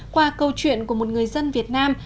qua câu chuyện của một người dân việt nam